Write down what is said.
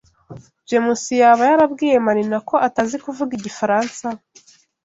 James yaba yarabwiye Marina ko atazi kuvuga igifaransa?